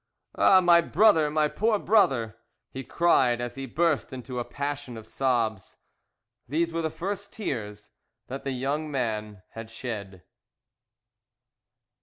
"Ah, my brother, my poor brother!" he cried as he burst into a passion of sobs. These were the first tears that the young man had shed.